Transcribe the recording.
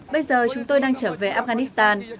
bây giờ chúng tôi đang trở về afghanistan